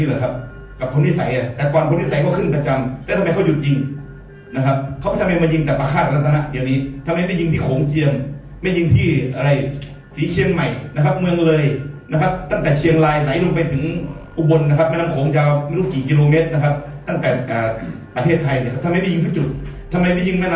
มีความรู้สึกว่ามีความรู้สึกว่ามีความรู้สึกว่ามีความรู้สึกว่ามีความรู้สึกว่ามีความรู้สึกว่ามีความรู้สึกว่ามีความรู้สึกว่ามีความรู้สึกว่ามีความรู้สึกว่ามีความรู้สึกว่ามีความรู้สึกว่ามีความรู้สึกว่ามีความรู้สึกว่ามีความรู้สึกว่ามีความรู้สึกว